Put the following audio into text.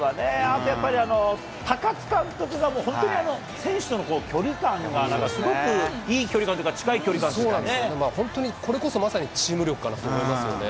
あとやっぱり、高津監督が本当に選手との距離感がなんかすごく、いい距離感とい本当にこれこそまさにチーム力かなと思いますよね。